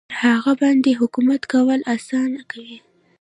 پر هغه باندې حکومت کول اسانه کوي.